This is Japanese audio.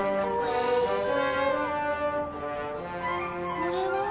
これは。